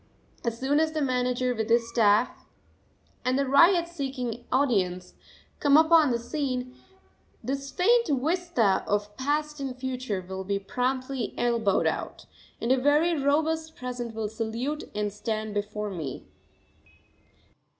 As soon as the manager with his staff, and the ryots seeking audience, come upon the scene, this faint vista of past and future will be promptly elbowed out, and a very robust present will salute and stand before me.